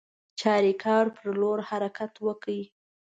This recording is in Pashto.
چاریکار پر لور حرکت وکړ.